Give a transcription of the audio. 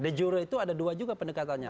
de jure itu ada dua juga pendekatannya